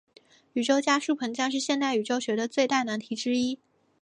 宇宙加速膨胀是现代宇宙学的最大难题之一。